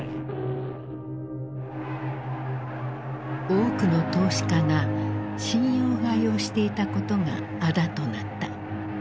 多くの投資家が信用買いをしていたことがあだとなった。